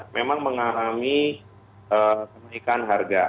memang mengalami kenaikan harga